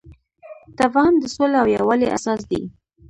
تفاهم د سولې او یووالي اساس دی.